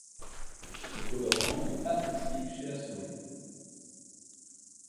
Ce colorant n'est pas toxique chez la souris.